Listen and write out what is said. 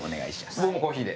僕もコーヒーで。